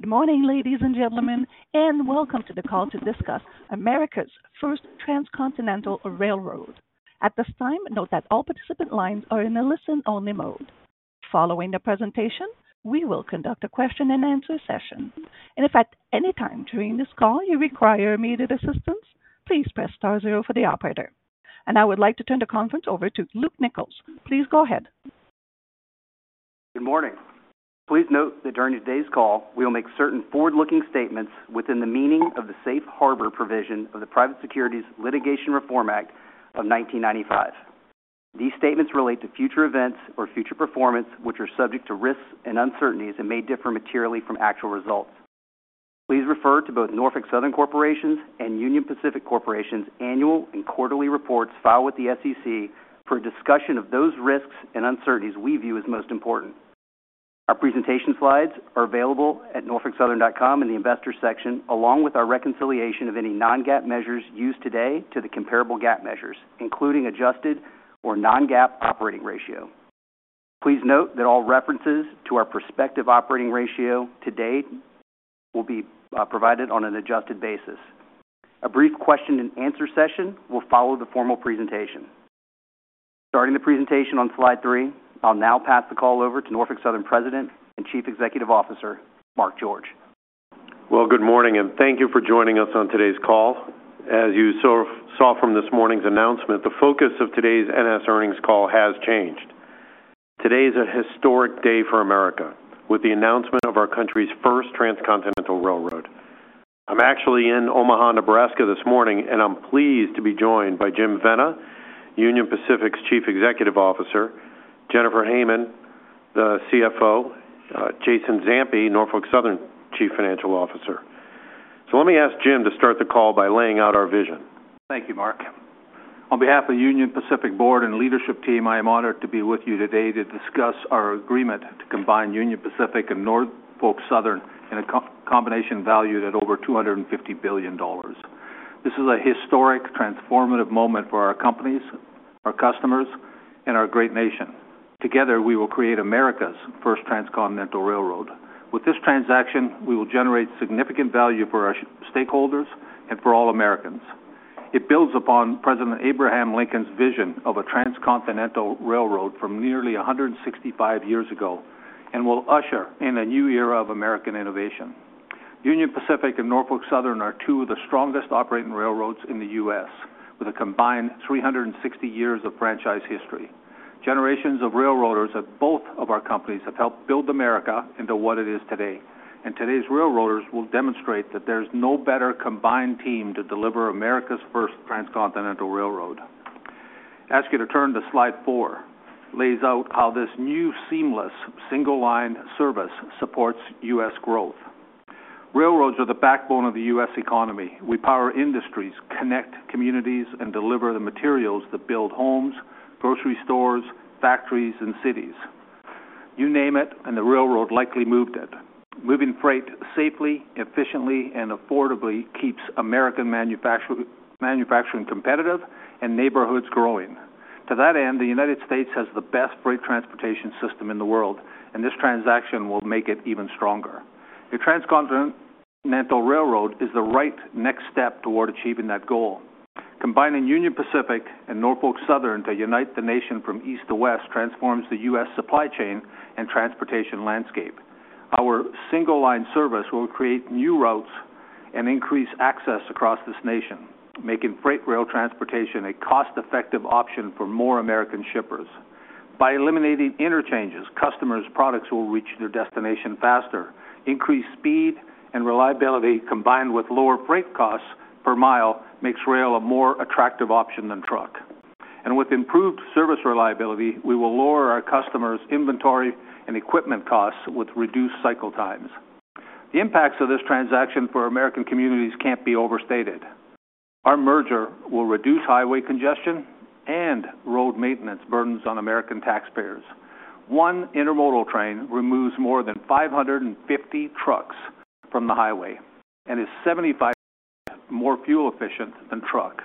Good morning, ladies and gentlemen, and welcome to the call to discuss America's first transcontinental railroad. At this time, note that all participant lines are in a listen-only mode. Following the presentation, we will conduct a question-and-answer session. If at any time during this call you require immediate assistance, please press star zero for the operator. I would like to turn the conference over to Luke Nichols. Please go ahead. Good morning. Please note that during today's call, we will make certain forward-looking statements within the meaning of the safe harbor provision of the Private Securities Litigation Reform Act of 1995. These statements relate to future events or future performance, which are subject to risks and uncertainties and may differ materially from actual results. Please refer to both Norfolk Southern Corporation's and Union Pacific Corporation's annual and quarterly reports filed with the SEC for a discussion of those risks and uncertainties we view as most important. Our presentation slides are available at norfolksouthern.com in the investor section, along with our reconciliation of any non-GAAP measures used today to the comparable GAAP measures, including adjusted or non-GAAP operating ratio. Please note that all references to our prospective operating ratio to date will be provided on an adjusted basis. A brief question-and-answer session will follow the formal presentation. Starting the presentation on slide three, I'll now pass the call over to Norfolk Southern President, and Chief Executive Officer, Mark George. Good morning, and thank you for joining us on today's call. As you saw from this morning's announcement, the focus of today's NS earnings call has changed. Today is a historic day for America with the announcement of our country's first transcontinental railroad. I'm actually in Omaha, Nebraska, this morning, and I'm pleased to be joined by Jim Vena, Union Pacific's Chief Executive Officer, Jennifer Hamann, the CFO, Jason Zampi, Norfolk Southern's Chief Financial Officer. Let me ask Jim to start the call by laying out our vision. Thank you, Mark. On behalf of Union Pacific Board and leadership team, I am honored to be with you today to discuss our agreement to combine Union Pacific and Norfolk Southern in a combination valued at over $250 billion. This is a historic, transformative moment for our companies, our customers, and our great nation. Together, we will create America's first transcontinental railroad. With this transaction, we will generate significant value for our stakeholders and for all Americans. It builds upon President Abraham Lincoln's vision of a transcontinental railroad from nearly 165 years ago and will usher in a new era of American innovation. Union Pacific and Norfolk Southern are two of the strongest operating railroads in the U.S., with a combined 360 years of franchise history. Generations of railroaders at both of our companies have helped build America into what it is today. Today's railroaders will demonstrate that there is no better combined team to deliver America's first transcontinental railroad. I ask you to turn to slide four, which lays out how this new seamless single-line service supports U.S. growth. Railroads are the backbone of the U.S. economy. We power industries, connect communities, and deliver the materials that build homes, grocery stores, factories, and cities. You name it, and the railroad likely moved it. Moving freight safely, efficiently, and affordably keeps American manufacturing competitive and neighborhoods growing. To that end, the United States has the best freight transportation system in the world, and this transaction will make it even stronger. The transcontinental railroad is the right next step toward achieving that goal. Combining Union Pacific and Norfolk Southern to unite the nation from east to west transforms the U.S. supply chain and transportation landscape. Our single-line service will create new routes and increase access across this nation, making freight rail transportation a cost-effective option for more American shippers. By eliminating interchanges, customers' products will reach their destination faster. Increased speed and reliability, combined with lower freight costs per mile, makes rail a more attractive option than truck. With improved service reliability, we will lower our customers' inventory and equipment costs with reduced cycle times. The impacts of this transaction for American communities cannot be overstated. Our merger will reduce highway congestion and road maintenance burdens on American taxpayers. One intermodal train removes more than 550 trucks from the highway and is 75% more fuel efficient than truck.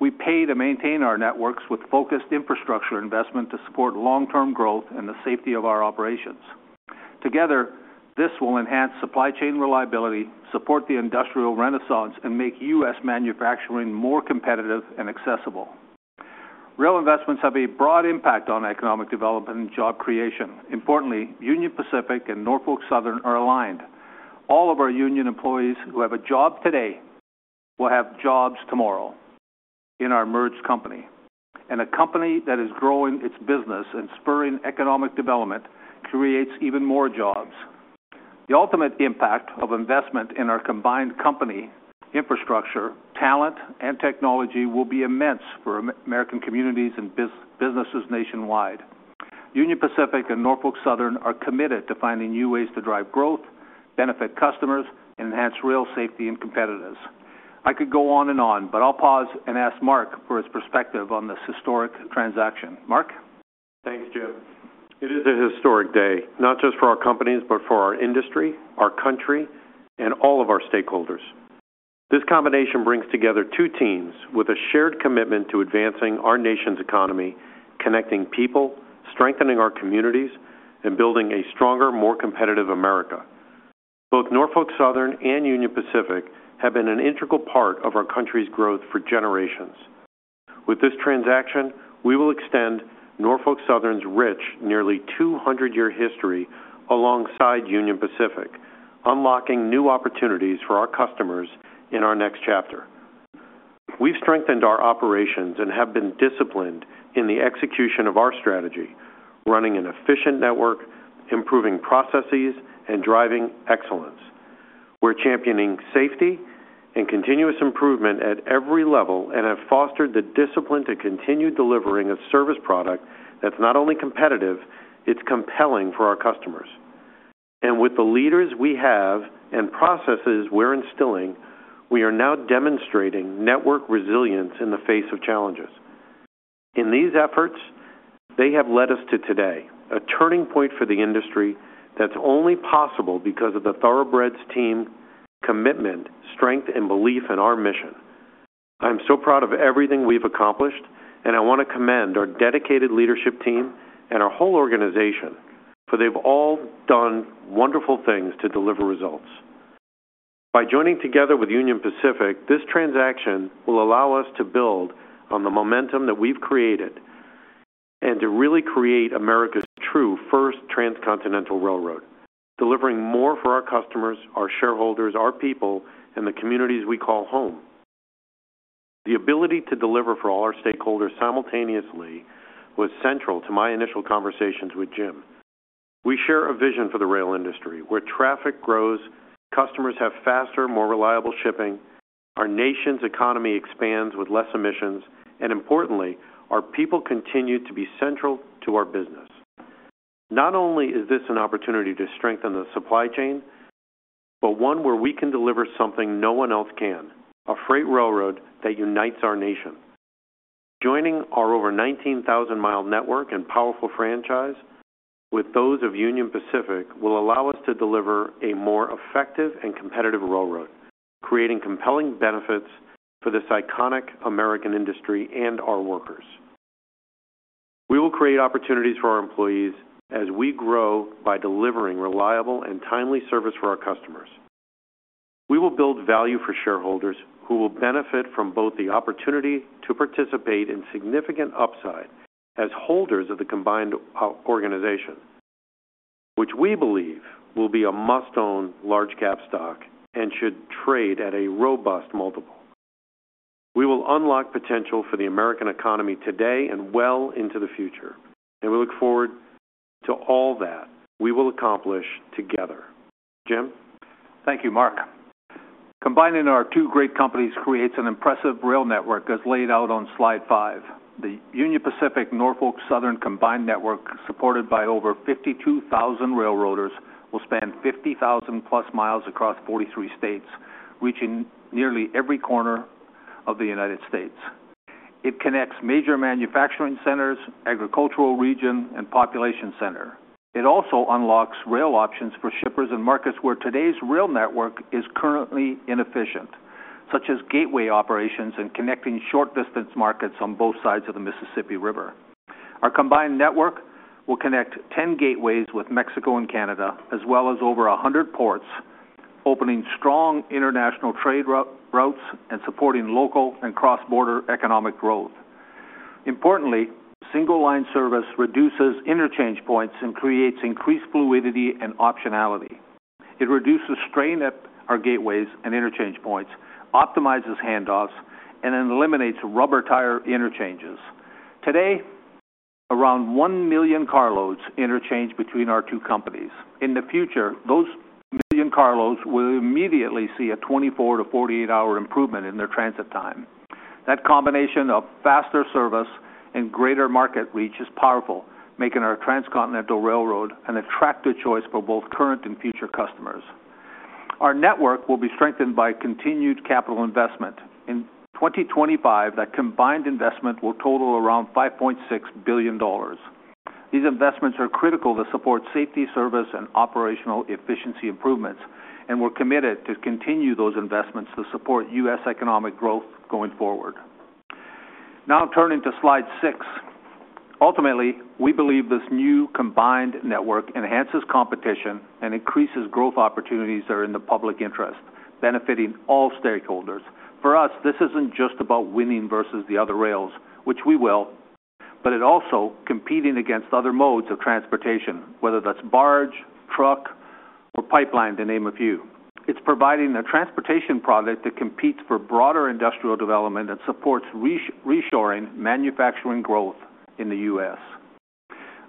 We pay to maintain our networks with focused infrastructure investment to support long-term growth and the safety of our operations. Together, this will enhance supply chain reliability, support the industrial renaissance, and make US manufacturing more competitive and accessible. Rail investments have a broad impact on economic development and job creation. Importantly, Union Pacific and Norfolk Southern are aligned. All of our union employees who have a job today will have jobs tomorrow in our merged company. A company that is growing its business and spurring economic development creates even more jobs. The ultimate impact of investment in our combined company, infrastructure, talent, and technology will be immense for American communities and businesses nationwide. Union Pacific and Norfolk Southern are committed to finding new ways to drive growth, benefit customers, and enhance rail safety and competitiveness. I could go on and on, but I'll pause and ask Mark for his perspective on this historic transaction. Mark? Thanks, Jim. It is a historic day, not just for our companies, but for our industry, our country, and all of our stakeholders. This combination brings together two teams with a shared commitment to advancing our nation's economy, connecting people, strengthening our communities, and building a stronger, more competitive America. Both Norfolk Southern and Union Pacific have been an integral part of our country's growth for generations. With this transaction, we will extend Norfolk Southern's rich, nearly 200-year history alongside Union Pacific, unlocking new opportunities for our customers in our next chapter. We've strengthened our operations and have been disciplined in the execution of our strategy, running an efficient network, improving processes, and driving excellence. We're championing safety and continuous improvement at every level and have fostered the discipline to continue delivering a service product that's not only competitive, it's compelling for our customers. With the leaders we have and processes we're instilling, we are now demonstrating network resilience in the face of challenges. These efforts have led us to today, a turning point for the industry that's only possible because of the Thoroughbreds' team, commitment, strength, and belief in our mission. I'm so proud of everything we've accomplished, and I want to commend our dedicated leadership team and our whole organization for they have all done wonderful things to deliver results. By joining together with Union Pacific, this transaction will allow us to build on the momentum that we've created. To really create America's true first transcontinental railroad, delivering more for our customers, our shareholders, our people, and the communities we call home. The ability to deliver for all our stakeholders simultaneously was central to my initial conversations with Jim. We share a vision for the rail industry where traffic grows, customers have faster, more reliable shipping, our nation's economy expands with less emissions, and importantly, our people continue to be central to our business. Not only is this an opportunity to strengthen the supply chain, but one where we can deliver something no one else can, a freight railroad that unites our nation. Joining our over 19,000-mile network and powerful franchise with those of Union Pacific will allow us to deliver a more effective and competitive railroad, creating compelling benefits for this iconic American industry and our workers. We will create opportunities for our employees as we grow by delivering reliable and timely service for our customers. We will build value for shareholders who will benefit from both the opportunity to participate in significant upside as holders of the combined organization, which we believe will be a must-own large-cap stock and should trade at a robust multiple. We will unlock potential for the American economy today and well into the future. We look forward to all that we will accomplish together. Jim? Thank you, Mark. Combining our two great companies creates an impressive rail network, as laid out on slide five. The Union Pacific-Norfolk Southern combined network, supported by over 52,000 railroaders, will span 50,000-plus miles across 43 states, reaching nearly every corner of the United States. It connects major manufacturing centers, agricultural regions, and population centers. It also unlocks rail options for shippers and markets where today's rail network is currently inefficient, such as gateway operations and connecting short-distance markets on both sides of the Mississippi River. Our combined network will connect 10 gateways with Mexico and Canada, as well as over 100 ports, opening strong international trade routes and supporting local and cross-border economic growth. Importantly, single-line service reduces interchange points and creates increased fluidity and optionality. It reduces strain at our gateways and interchange points, optimizes handoffs, and eliminates rubber tire interchanges. Today, around 1 million carloads interchange between our two companies. In the future, those million carloads will immediately see a 24-48 hour improvement in their transit time. That combination of faster service and greater market reach is powerful, making our transcontinental railroad an attractive choice for both current and future customers. Our network will be strengthened by continued capital investment. In 2025, that combined investment will total around $5.6 billion. These investments are critical to support safety, service, and operational efficiency improvements, and we're committed to continue those investments to support US economic growth going forward. Now I'm turning to slide six. Ultimately, we believe this new combined network enhances competition and increases growth opportunities that are in the public interest, benefiting all stakeholders. For us, this isn't just about winning versus the other rails, which we will, but it also competes against other modes of transportation, whether that's barge, truck, or pipeline, to name a few. It's providing a transportation product that competes for broader industrial development and supports reshoring manufacturing growth in the US.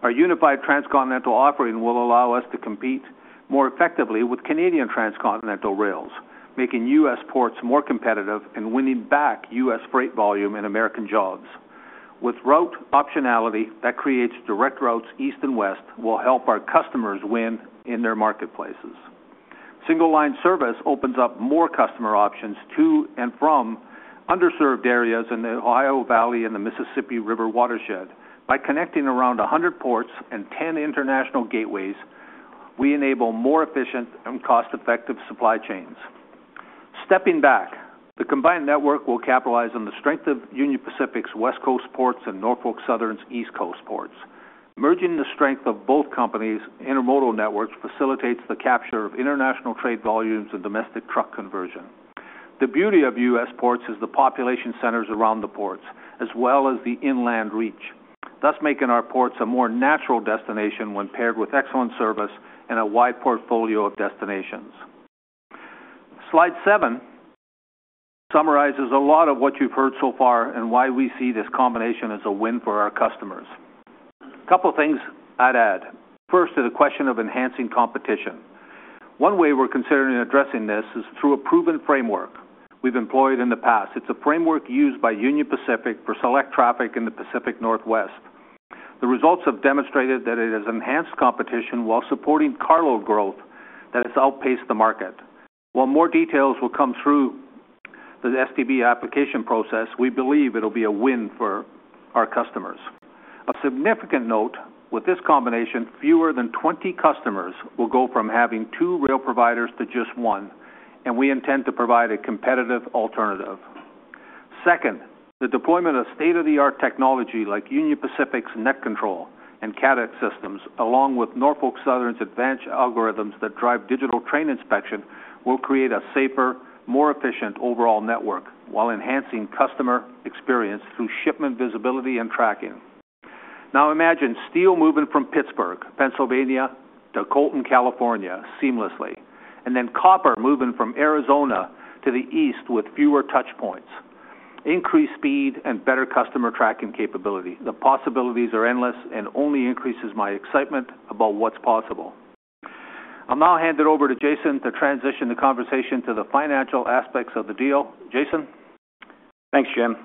Our unified transcontinental offering will allow us to compete more effectively with Canadian transcontinental rails, making US ports more competitive and winning back US freight volume and American jobs. With route optionality that creates direct routes east and west will help our customers win in their marketplaces. Single-line service opens up more customer options to and from underserved areas in the Ohio Valley and the Mississippi River watershed. By connecting around 100 ports and 10 international gateways, we enable more efficient and cost-effective supply chains. Stepping back, the combined network will capitalize on the strength of Union Pacific's West Coast ports and Norfolk Southern's East Coast ports. Merging the strength of both companies' intermodal networks facilitates the capture of international trade volumes and domestic truck conversion. The beauty of US ports is the population centers around the ports, as well as the inland reach, thus making our ports a more natural destination when paired with excellent service and a wide portfolio of destinations. Slide seven. Summarizes a lot of what you've heard so far and why we see this combination as a win for our customers. A couple of things I'd add. First, to the question of enhancing competition. One way we're considering addressing this is through a proven framework we've employed in the past. It's a framework used by Union Pacific for select traffic in the Pacific Northwest. The results have demonstrated that it has enhanced competition while supporting carload growth that has outpaced the market. While more details will come through the Surface Transportation Board application process, we believe it'll be a win for our customers. A significant note, with this combination, fewer than 20 customers will go from having two rail providers to just one, and we intend to provide a competitive alternative. Second, the deployment of state-of-the-art technology like Union Pacific's NetControl and Cadet systems, along with Norfolk Southern's advanced algorithms that drive digital train inspection, will create a safer, more efficient overall network while enhancing customer experience through shipment visibility and tracking. Now imagine steel moving from Pittsburgh, Pennsylvania, to Colton, California, seamlessly, and then copper moving from Arizona to the east with fewer touch points. Increased speed and better customer tracking capability. The possibilities are endless and only increases my excitement about what's possible. I'll now hand it over to Jason to transition the conversation to the financial aspects of the deal. Jason? Thanks, Jim.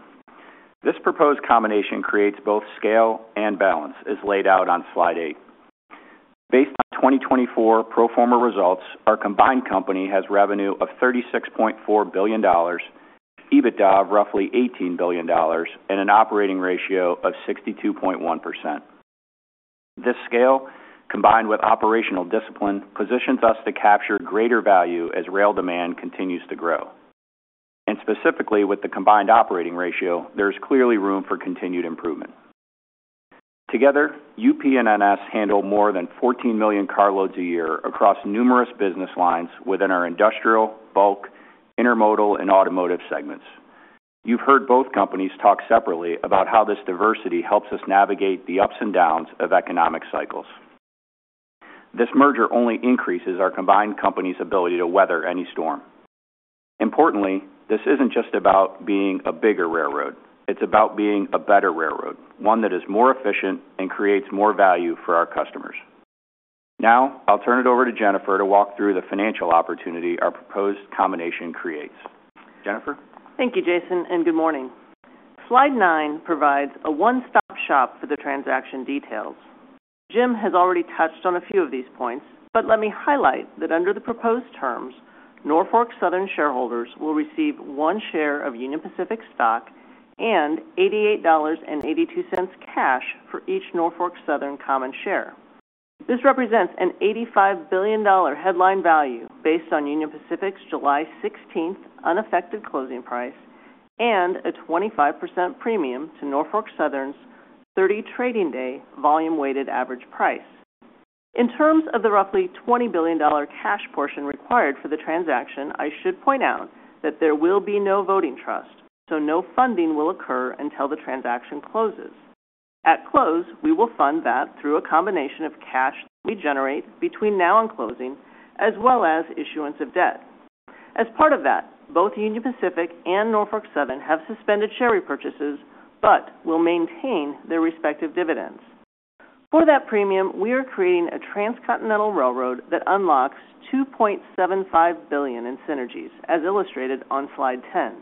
This proposed combination creates both scale and balance, as laid out on slide eight. Based on 2024 pro forma results, our combined company has revenue of $36.4 billion, EBITDA of roughly $18 billion, and an operating ratio of 62.1%. This scale, combined with operational discipline, positions us to capture greater value as rail demand continues to grow. Specifically, with the combined operating ratio, there is clearly room for continued improvement. Together, UP and NS handle more than 14 million carloads a year across numerous business lines within our industrial, bulk, intermodal, and automotive segments. You have heard both companies talk separately about how this diversity helps us navigate the ups and downs of economic cycles. This merger only increases our combined company's ability to weather any storm. Importantly, this is not just about being a bigger railroad. It is about being a better railroad, one that is more efficient and creates more value for our customers. Now, I will turn it over to Jennifer to walk through the financial opportunity our proposed combination creates. Jennifer? Thank you, Jason, and good morning. Slide nine provides a one-stop shop for the transaction details. Jim has already touched on a few of these points, but let me highlight that under the proposed terms, Norfolk Southern shareholders will receive one share of Union Pacific stock and $88.82 cash for each Norfolk Southern common share. This represents an $85 billion headline value based on Union Pacific's July 16th unaffected closing price and a 25% premium to Norfolk Southern's 30 trading day volume-weighted average price. In terms of the roughly $20 billion cash portion required for the transaction, I should point out that there will be no voting trust, so no funding will occur until the transaction closes. At close, we will fund that through a combination of cash we generate between now and closing, as well as issuance of debt. As part of that, both Union Pacific and Norfolk Southern have suspended share repurchases but will maintain their respective dividends. For that premium, we are creating a transcontinental railroad that unlocks $2.75 billion in synergies, as illustrated on slide 10.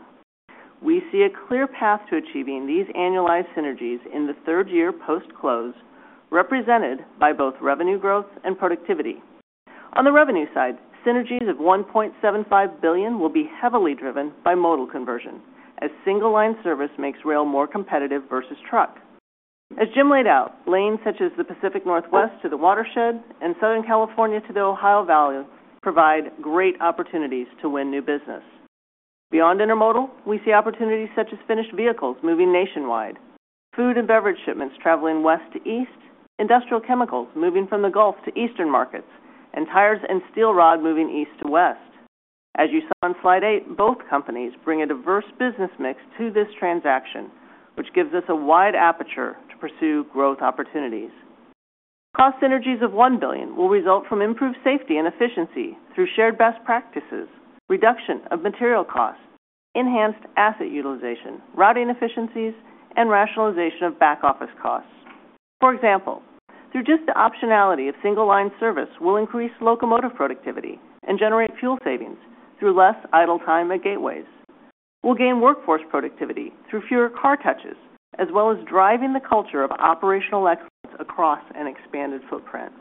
We see a clear path to achieving these annualized synergies in the third year post-close, represented by both revenue growth and productivity. On the revenue side, synergies of $1.75 billion will be heavily driven by modal conversion, as single-line service makes rail more competitive versus truck. As Jim laid out, lanes such as the Pacific Northwest to the watershed and Southern California to the Ohio Valley provide great opportunities to win new business. Beyond intermodal, we see opportunities such as finished vehicles moving nationwide, food and beverage shipments traveling west to east, industrial chemicals moving from the Gulf to eastern markets, and tires and steel rod moving east to west. As you saw on slide eight, both companies bring a diverse business mix to this transaction, which gives us a wide aperture to pursue growth opportunities. Cost synergies of $1 billion will result from improved safety and efficiency through shared best practices, reduction of material costs, enhanced asset utilization, routing efficiencies, and rationalization of back-office costs. For example, through just the optionality of single-line service, we'll increase locomotive productivity and generate fuel savings through less idle time at gateways. We'll gain workforce productivity through fewer car touches, as well as driving the culture of operational excellence across an expanded footprint.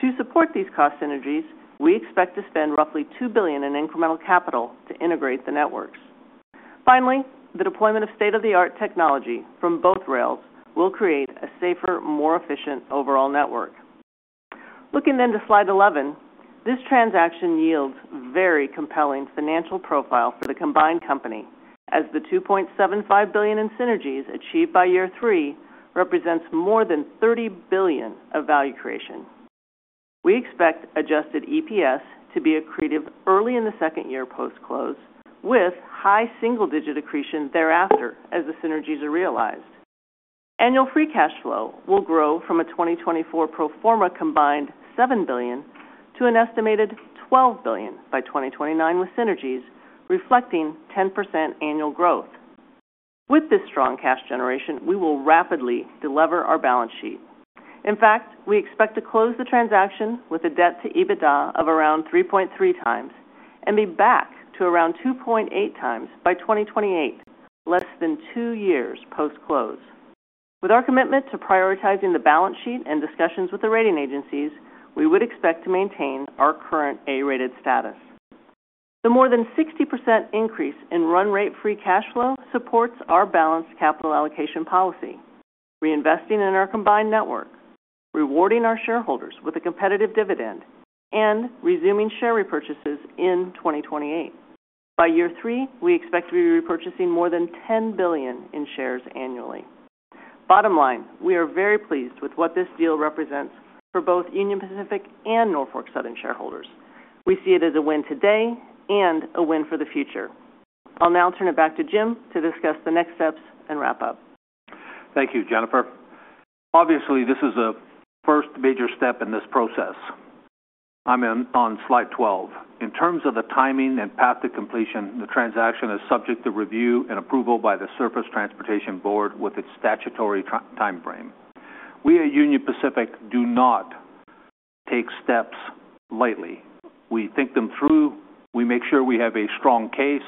To support these cost synergies, we expect to spend roughly $2 billion in incremental capital to integrate the networks. Finally, the deployment of state-of-the-art technology from both rails will create a safer, more efficient overall network. Looking then to slide 11, this transaction yields a very compelling financial profile for the combined company, as the $2.75 billion in synergies achieved by year three represents more than $30 billion of value creation. We expect adjusted EPS to be accretive early in the second year post-close, with high single-digit accretion thereafter as the synergies are realized. Annual free cash flow will grow from a 2024 pro forma combined $7 billion to an estimated $12 billion by 2029 with synergies, reflecting 10% annual growth. With this strong cash generation, we will rapidly delever our balance sheet. In fact, we expect to close the transaction with a debt-to-EBITDA of around 3.3 times and be back to around 2.8 times by 2028, less than two years post-close. With our commitment to prioritizing the balance sheet and discussions with the rating agencies, we would expect to maintain our current A-rated status. The more than 60% increase in run-rate free cash flow supports our balanced capital allocation policy, reinvesting in our combined network, rewarding our shareholders with a competitive dividend, and resuming share repurchases in 2028. By year three, we expect to be repurchasing more than $10 billion in shares annually. Bottom line, we are very pleased with what this deal represents for both Union Pacific and Norfolk Southern shareholders. We see it as a win today and a win for the future. I'll now turn it back to Jim to discuss the next steps and wrap up. Thank you, Jennifer. Obviously, this is a first major step in this process. I'm on slide 12. In terms of the timing and path to completion, the transaction is subject to review and approval by the Surface Transportation Board with its statutory timeframe. We at Union Pacific do not take steps lightly. We think them through. We make sure we have a strong case.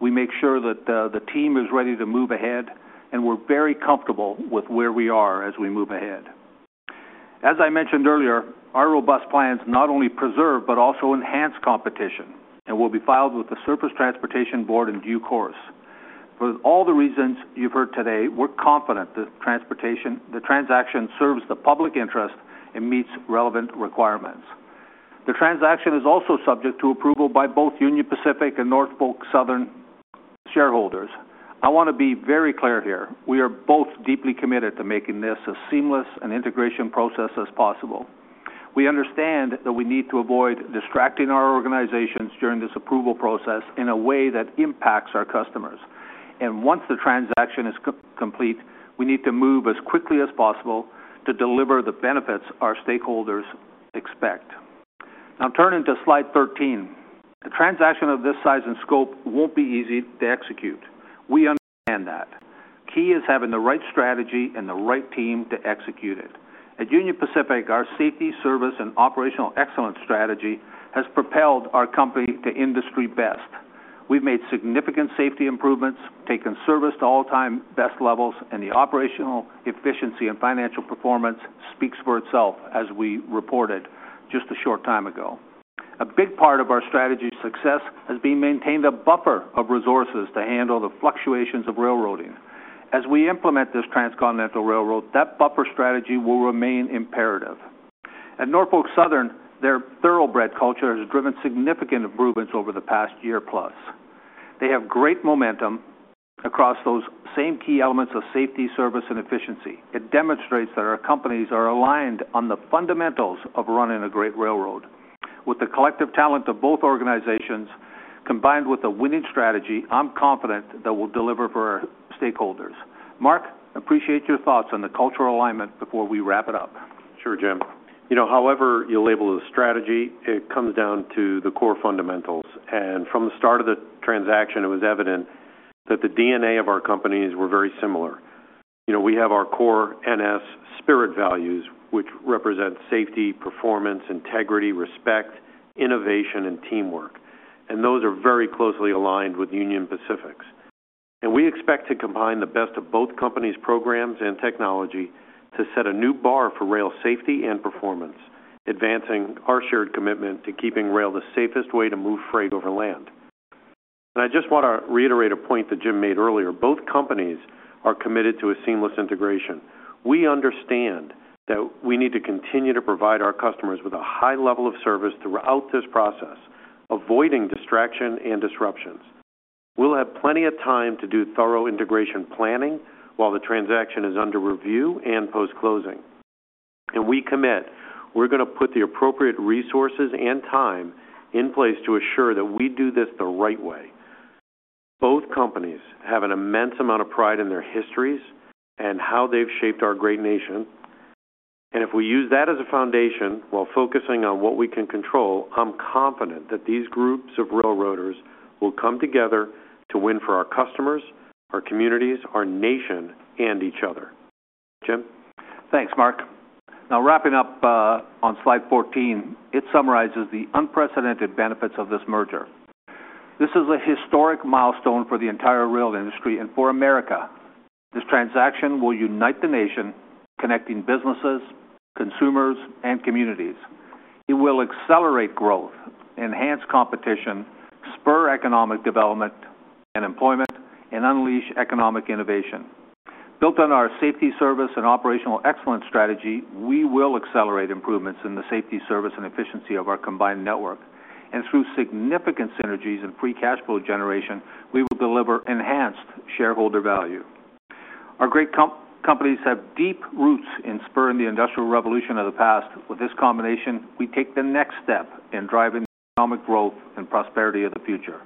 We make sure that the team is ready to move ahead, and we're very comfortable with where we are as we move ahead. As I mentioned earlier, our robust plans not only preserve but also enhance competition and will be filed with the Surface Transportation Board in due course. For all the reasons you've heard today, we're confident the transaction serves the public interest and meets relevant requirements. The transaction is also subject to approval by both Union Pacific and Norfolk Southern shareholders. I want to be very clear here. We are both deeply committed to making this as seamless an integration process as possible. We understand that we need to avoid distracting our organizations during this approval process in a way that impacts our customers. Once the transaction is complete, we need to move as quickly as possible to deliver the benefits our stakeholders expect. Now, turning to slide 13, a transaction of this size and scope won't be easy to execute. We understand that. Key is having the right strategy and the right team to execute it. At Union Pacific, our safety, service, and operational excellence strategy has propelled our company to industry best. We've made significant safety improvements, taken service to all-time best levels, and the operational efficiency and financial performance speaks for itself, as we reported just a short time ago. A big part of our strategy's success has been maintaining a buffer of resources to handle the fluctuations of railroading. As we implement this transcontinental railroad, that buffer strategy will remain imperative. At Norfolk Southern, their thoroughbred culture has driven significant improvements over the past year plus. They have great momentum across those same key elements of safety, service, and efficiency. It demonstrates that our companies are aligned on the fundamentals of running a great railroad. With the collective talent of both organizations combined with a winning strategy, I'm confident that we'll deliver for our stakeholders. Mark, I appreciate your thoughts on the cultural alignment before we wrap it up. Sure, Jim. However you label the strategy, it comes down to the core fundamentals. From the start of the transaction, it was evident that the DNA of our companies were very similar. We have our core NS spirit values, which represent safety, performance, integrity, respect, innovation, and teamwork. Those are very closely aligned with Union Pacific's. We expect to combine the best of both companies' programs and technology to set a new bar for rail safety and performance, advancing our shared commitment to keeping rail the safest way to move freight over land. I just want to reiterate a point that Jim made earlier. Both companies are committed to a seamless integration. We understand that we need to continue to provide our customers with a high level of service throughout this process, avoiding distraction and disruptions. We will have plenty of time to do thorough integration planning while the transaction is under review and post-closing. We commit. We are going to put the appropriate resources and time in place to assure that we do this the right way. Both companies have an immense amount of pride in their histories and how they have shaped our great nation. If we use that as a foundation while focusing on what we can control, I am confident that these groups of railroaders will come together to win for our customers, our communities, our nation, and each other. Jim? Thanks, Mark. Now, wrapping up on slide 14, it summarizes the unprecedented benefits of this merger. This is a historic milestone for the entire rail industry and for America. This transaction will unite the nation, connecting businesses, consumers, and communities. It will accelerate growth, enhance competition, spur economic development and employment, and unleash economic innovation. Built on our safety service and operational excellence strategy, we will accelerate improvements in the safety service and efficiency of our combined network. Through significant synergies and free cash flow generation, we will deliver enhanced shareholder value. Our great companies have deep roots in spurring the Industrial Revolution of the past. With this combination, we take the next step in driving economic growth and prosperity of the future.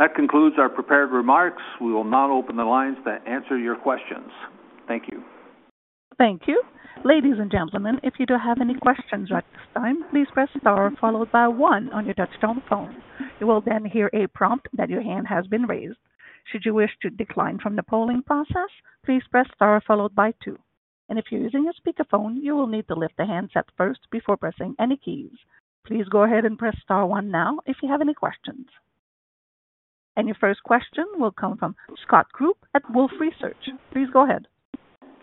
That concludes our prepared remarks. We will now open the lines to answer your questions. Thank you. Thank you. Ladies and gentlemen, if you do have any questions at this time, please press star followed by one on your touch-tone phone. You will then hear a prompt that your hand has been raised. Should you wish to decline from the polling process, please press star followed by two. If you're using a speakerphone, you will need to lift the handset first before pressing any keys. Please go ahead and press star one now if you have any questions. Your first question will come from Scott Group at Wolfe Research. Please go ahead.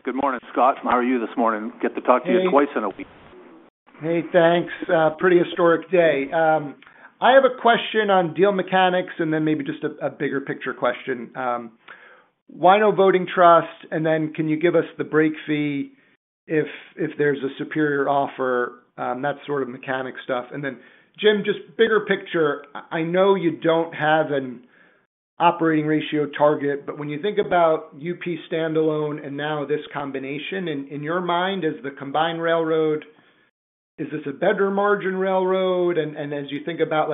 Good morning, Scott. How are you this morning? Good to talk to you twice in a week. Hey, thanks. Pretty historic day. I have a question on deal mechanics and then maybe just a bigger picture question. Why no voting trust? Can you give us the break fee if there's a superior offer? That sort of mechanic stuff. Jim, just bigger picture, I know you don't have an operating ratio target, but when you think about UP standalone and now this combination, in your mind, is the combined railroad, is this a better margin railroad? As you think about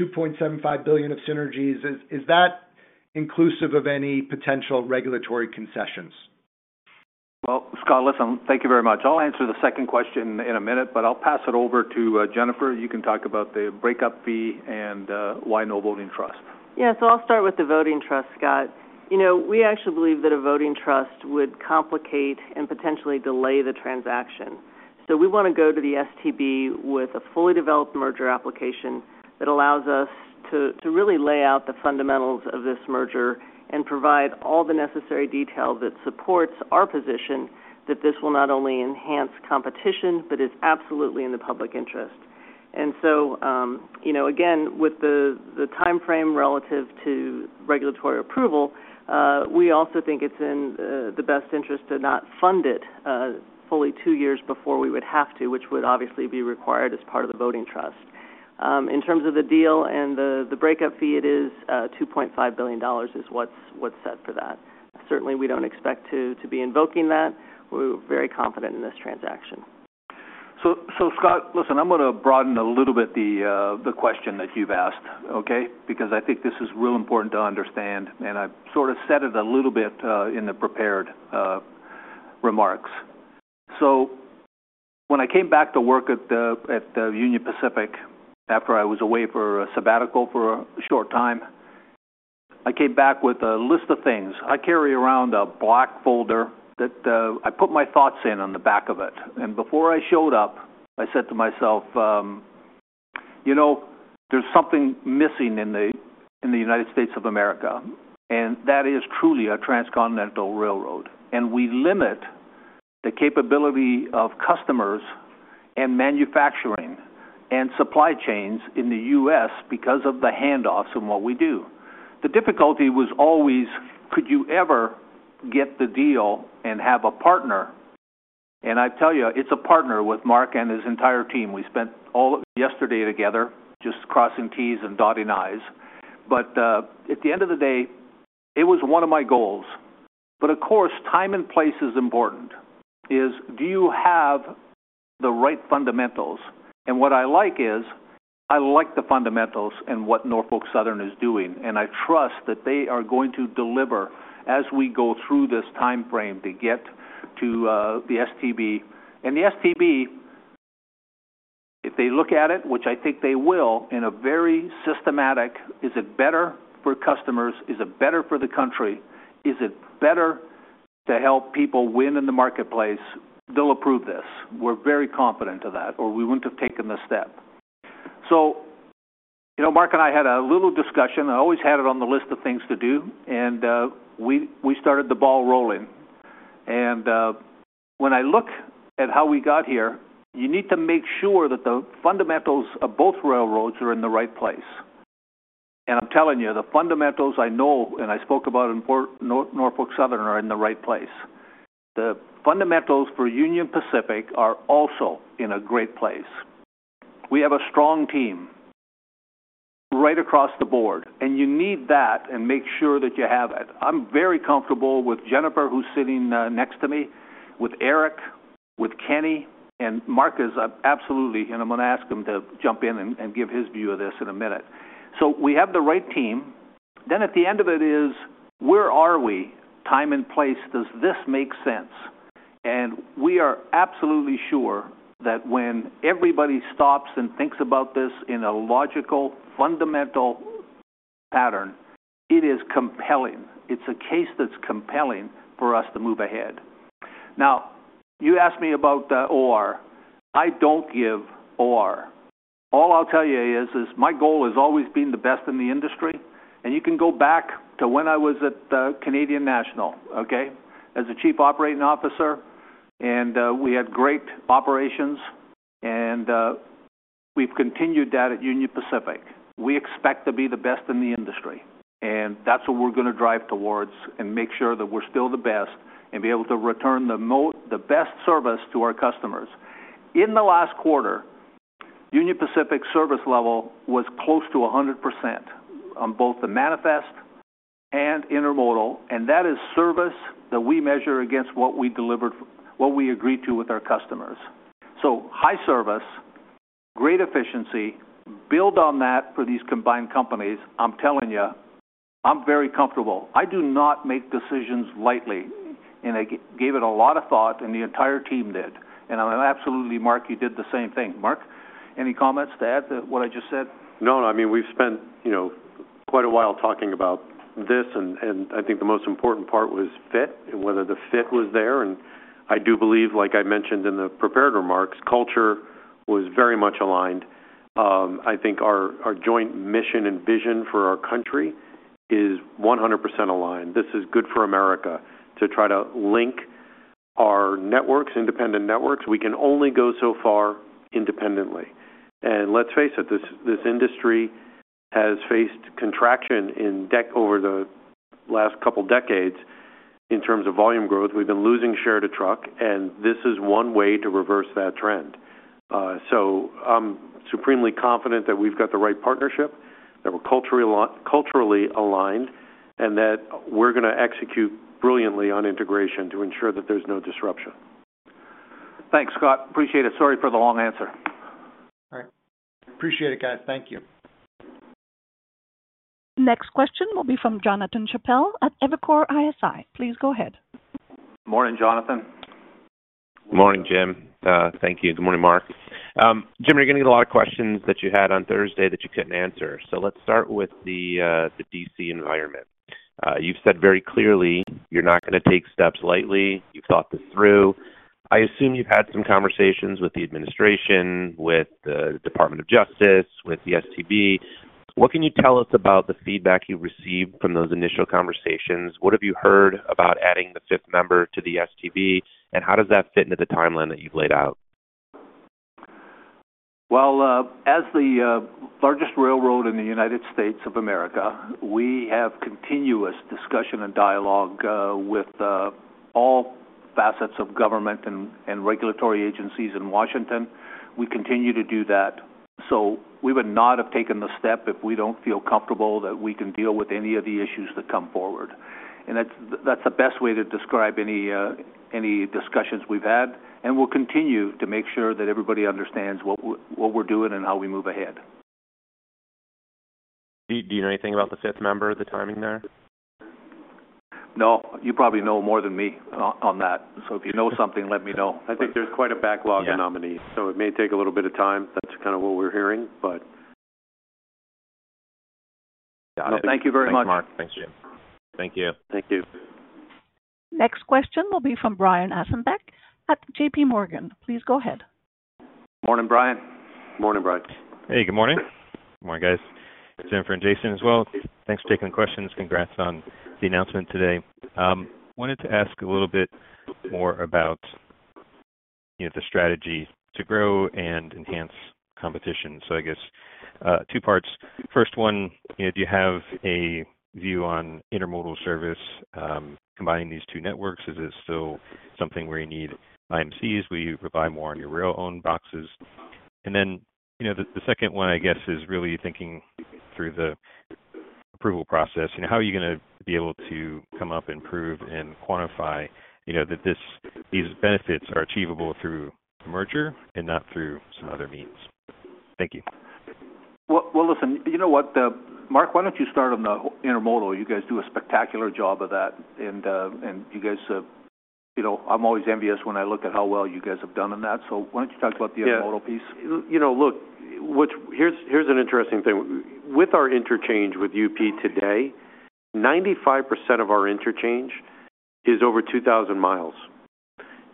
$2.75 billion of synergies, is that inclusive of any potential regulatory concessions? Scott, listen, thank you very much. I'll answer the second question in a minute, but I'll pass it over to Jennifer. You can talk about the breakup fee and why no voting trust. Yeah, so I'll start with the voting trust, Scott. We actually believe that a voting trust would complicate and potentially delay the transaction. We want to go to the STB with a fully developed merger application that allows us to really lay out the fundamentals of this merger and provide all the necessary detail that supports our position that this will not only enhance competition, but it's absolutely in the public interest. Again, with the timeframe relative to regulatory approval, we also think it's in the best interest to not fund it fully two years before we would have to, which would obviously be required as part of the voting trust. In terms of the deal and the breakup fee, it is $2.5 billion is what's set for that. Certainly, we don't expect to be invoking that. We're very confident in this transaction. Scott, listen, I'm going to broaden a little bit the question that you've asked, okay? Because I think this is real important to understand, and I sort of said it a little bit in the prepared remarks. When I came back to work at Union Pacific after I was away for a sabbatical for a short time, I came back with a list of things. I carry around a black folder that I put my thoughts in on the back of it. Before I showed up, I said to myself, "There's something missing in the United States of America, and that is truly a transcontinental railroad. We limit the capability of customers and manufacturing and supply chains in the U.S. because of the handoffs and what we do." The difficulty was always, could you ever get the deal and have a partner? I tell you, it's a partner with Mark and his entire team. We spent all of yesterday together, just crossing T's and dotting I's. At the end of the day, it was one of my goals. Of course, time and place is important. Do you have the right fundamentals? What I like is I like the fundamentals and what Norfolk Southern is doing. I trust that they are going to deliver as we go through this timeframe to get to the STB. The STB, if they look at it, which I think they will, in a very systematic, is it better for customers? Is it better for the country? Is it better to help people win in the marketplace? They'll approve this. We're very confident of that, or we wouldn't have taken the step. Mark and I had a little discussion. I always had it on the list of things to do. We started the ball rolling. When I look at how we got here, you need to make sure that the fundamentals of both railroads are in the right place. I'm telling you, the fundamentals I know, and I spoke about in Norfolk Southern, are in the right place. The fundamentals for Union Pacific are also in a great place. We have a strong team right across the board. You need that and make sure that you have it. I'm very comfortable with Jennifer, who's sitting next to me, with Eric, with Kenny, and Mark is absolutely, and I'm going to ask him to jump in and give his view of this in a minute. We have the right team. At the end of it is, where are we? Time and place, does this make sense? We are absolutely sure that when everybody stops and thinks about this in a logical, fundamental pattern, it is compelling. It's a case that's compelling for us to move ahead. Now, you asked me about OR. I don't give OR. All I'll tell you is my goal has always been the best in the industry. You can go back to when I was at Canadian National, okay, as a Chief Operating Officer. We had great operations. We've continued that at Union Pacific. We expect to be the best in the industry. That is what we're going to drive towards and make sure that we're still the best and be able to return the best service to our customers. In the last quarter, Union Pacific's service level was close to 100% on both the manifest and intermodal. That is service that we measure against what we agreed to with our customers. High service, great efficiency, build on that for these combined companies. I'm telling you, I'm very comfortable. I do not make decisions lightly. I gave it a lot of thought, and the entire team did. I'm absolutely—Mark, you did the same thing. Mark, any comments to add to what I just said? No, I mean, we've spent quite a while talking about this. I think the most important part was fit and whether the fit was there. I do believe, like I mentioned in the prepared remarks, culture was very much aligned. I think our joint mission and vision for our country is 100% aligned. This is good for America to try to link our networks, independent networks. We can only go so far independently. Let's face it, this industry has faced contraction in debt over the last couple of decades in terms of volume growth. We've been losing share to truck, and this is one way to reverse that trend. I'm supremely confident that we've got the right partnership, that we're culturally aligned, and that we're going to execute brilliantly on integration to ensure that there's no disruption. Thanks, Scott. Appreciate it. Sorry for the long answer. All right. Appreciate it, guys. Thank you. Next question will be from Jonathan Chappell at Evercore ISI. Please go ahead. Morning, Jonathan. Morning, Jim. Thank you. Good morning, Mark. Jim, you're going to get a lot of questions that you had on Thursday that you couldn't answer. Let's start with the DC environment. You've said very clearly you're not going to take steps lightly. You've thought this through. I assume you've had some conversations with the administration, with the Department of Justice, with the STB. What can you tell us about the feedback you've received from those initial conversations? What have you heard about adding the fifth member to the STB? How does that fit into the timeline that you've laid out? As the largest railroad in the United States of America, we have continuous discussion and dialogue with all facets of government and regulatory agencies in Washington. We continue to do that. We would not have taken the step if we do not feel comfortable that we can deal with any of the issues that come forward. That is the best way to describe any discussions we have had. We will continue to make sure that everybody understands what we are doing and how we move ahead. Do you know anything about the fifth member, the timing there? No, you probably know more than me on that. If you know something, let me know. I think there's quite a backlog of nominees, so it may take a little bit of time. That's kind of what we're hearing, but. Thank you very much. Thanks, Mark. Thanks, Jim. Thank you. Thank you. Next question will be from Brian Ossenbeck at JP Morgan. Please go ahead. Morning, Brian. Morning, Brian. Hey, good morning. Good morning, guys. Good afternoon from Jason as well. Thanks for taking the questions. Congrats on the announcement today. I wanted to ask a little bit more about the strategy to grow and enhance competition. I guess two parts. First one, do you have a view on intermodal service combining these two networks? Is it still something where you need IMCs? Will you provide more on your rail-owned boxes? The second one, I guess, is really thinking through the approval process. How are you going to be able to come up and prove and quantify that these benefits are achievable through a merger and not through some other means? Thank you. Listen, you know what, Mark, why don't you start on the intermodal? You guys do a spectacular job of that. You guys, I'm always envious when I look at how well you guys have done in that. You talk about the intermodal piece? Yeah. Look, here's an interesting thing. With our interchange with UP today, 95% of our interchange is over 2,000 miles,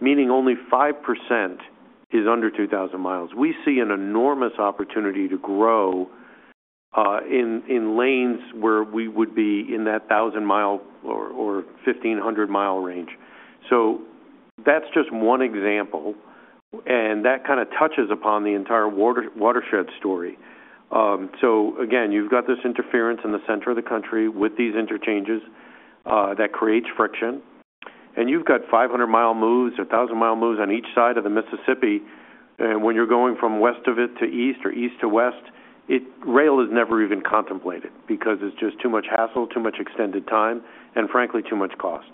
meaning only 5% is under 2,000 miles. We see an enormous opportunity to grow in lanes where we would be in that 1,000-mile or 1,500-mile range. That's just one example. That kind of touches upon the entire watershed story. Again, you've got this interference in the center of the country with these interchanges that creates friction. You've got 500-mile moves, 1,000-mile moves on each side of the Mississippi. When you're going from west of it to east or east to west, rail is never even contemplated because it's just too much hassle, too much extended time, and frankly, too much cost.